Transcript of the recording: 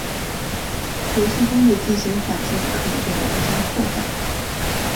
游戏中的地形环境可以被玩家破坏。